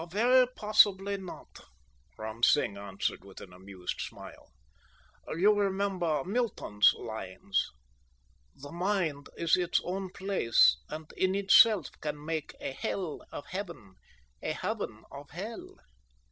"Very possibly not," Ram Singh answered with an amused smile. "You remember Milton's lines: 'The mind is its own place, and in itself Can make a hell of Heaven, a heaven of Hell.'